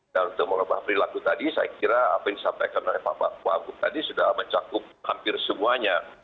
dan untuk melobah perilaku tadi saya kira apa yang disampaikan oleh pak pak waku tadi sudah mencakup hampir semuanya